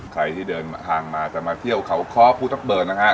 ใครที่เดินทางมาจะมาเที่ยวเขาภูเจ้าเบิร์นนะฮะ